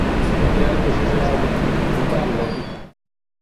Este proceso se denomina bomba biológica.